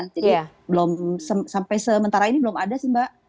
jadi sampai sementara ini belum ada sih mbak